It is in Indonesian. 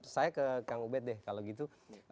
saya ke kang ubed deh kalau gitu